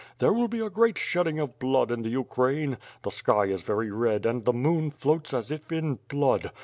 There will be a great shedding of blood in the Ukraine. The sky is very red and the moon floats as if in blood.